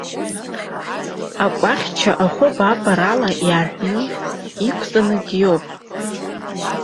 Акәахьча ахәы абабарала иаарҳәны иқәҵаны диоуп.